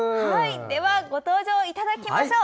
ではご登場いただきましょう。